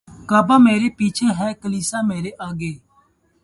کعبہ مرے پیچھے ہے کلیسا مرے آگے